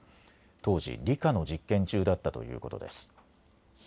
当時、理科の実験中だったということです。